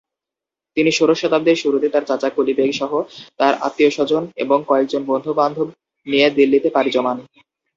তিনি ষোড়শ শতাব্দীর শুরুতে তাঁর চাচা কুলি বেগ সহ তাঁর আত্মীয়স্বজন এবং কয়েকজন বন্ধুবান্ধব নিয়ে দিল্লিতে পাড়ি জমান।